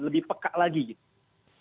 lebih peka lagi gitu